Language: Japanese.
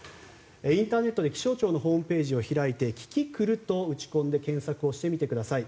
インターネットで気象庁のホームページを開いてキキクルと打ち込んで検索をしてみてください。